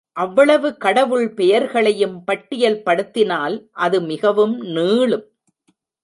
அவ்வளவுகடவுள் பெயர்களையும் பட்டியல் படுத்தினால் அது மிகவும் நீளும்.